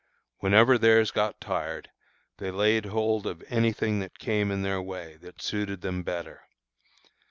Whenever theirs got tired, they laid hold of any thing that came in their way that suited them better.